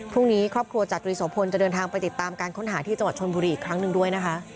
พรุ่งนี้ครอบครัวจฌุริสวพลจะเดินทางไปติดตามการค้นหาที่จชลบุรีอีกครั้งด้วย